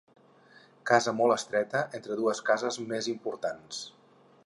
Casa molt estreta entre dues cases més importants.